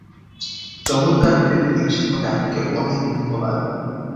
চমৎকারভাবে পরিবেশন করায় আপনাকে অনেক ধন্যবাদ।